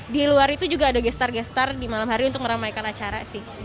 di luar itu juga ada gestar gestar di malam hari untuk meramaikan acara sih